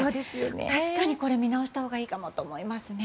確かにこれ、見直したほうがいいかもと思いますね。